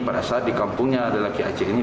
pada saat di kampungnya laki laki ac ini